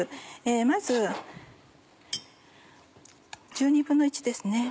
まず１２分の１ですね。